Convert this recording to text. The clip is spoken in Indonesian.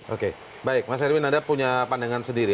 oke baik mas erwin anda punya pandangan sendiri